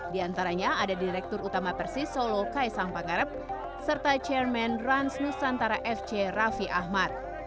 di antaranya ada direktur utama persis solo kaisang pangarep serta chairman rans nusantara fc raffi ahmad